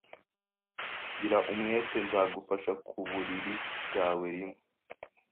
none, gira umwete. Nzagufasha ku buriri bwawe rimwe. ”